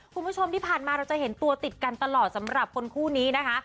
คุณผู้ชมที่ผ่านมาเราจะเห็นตัวติดกันตลอดสำหรับคนคู่นี้นะคะ